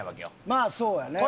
まあそうやね。